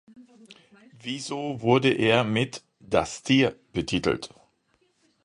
Wieso wurde er mit "das Tier" betitelt?